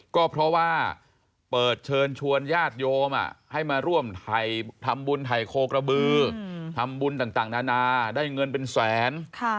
ก็เพราะว่าเปิดเชิญชวนญาติโยมให้มาร่วมทำบุญถ่ายโคกระบือทำบุญต่างนานาได้เงินเป็นแสน